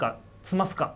詰ますか。